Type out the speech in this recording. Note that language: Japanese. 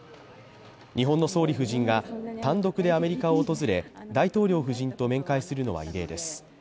日本の総理夫人が単独でアメリカを訪れ、大統領夫人と面会するのは異例です。